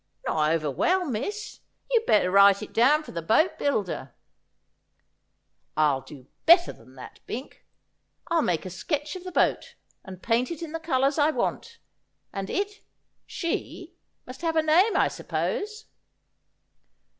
' Not over well, miss. You'd better write it down for the boat builder.' ' I'll do better than that, Bink — I'll make a sketch of the boat, and paint it the colours I want. And it — she — must have a name, I suppose.'